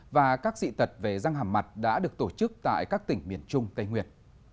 và các dị tật về răng hàm mặt đã được tổ chức tại các tỉnh miền trung tây nguyệt